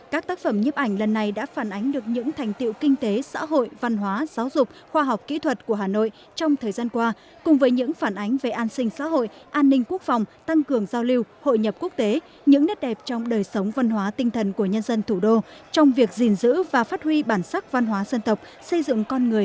các tác phẩm nhiếp ảnh lần này đã phản ánh được những thành tiệu kinh tế xã hội văn hóa giáo dục khoa học kỹ thuật của hà nội trong thời gian qua cùng với những phản ánh về an sinh xã hội an ninh quốc phòng tăng cường giao lưu hội nhập quốc tế những nét đẹp trong đời sống văn hóa tinh thần của nhân dân thủ đô